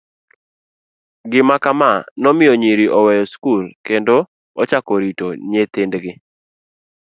Gima kama nomiyo nyiri oweyo skul kendo ochako rito nyithindgi.